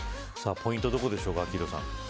ポイントはどこでしょうか昭浩さん。